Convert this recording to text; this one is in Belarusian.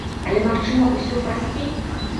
Але, магчыма, усё прасцей?